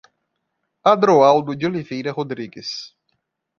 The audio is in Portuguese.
Adroaldo de Oliveira Rodrigues